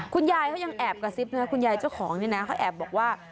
คุณยายเขายังแอบกระซิบนะคุณยายเจ้าของนี่นะเขาแอบบอกว่า